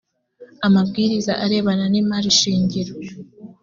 amabwiriza arebana n imari shingiro